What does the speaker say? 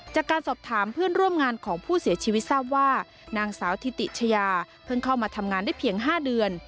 จากการสอบถามเพื่อนร่วมงานของผู้เสียชีวิตทราบว่านางสาวธิติชยาเพิ่งเข้ามาทำงานได้เพียง๕เดือน